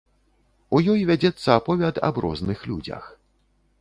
У ёй вядзецца аповяд аб розных людзях.